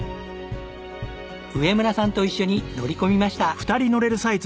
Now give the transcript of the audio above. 上村さんと一緒に乗り込みました。